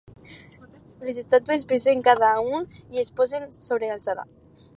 Les estàtues pesen cada un i es posen sobre alçada.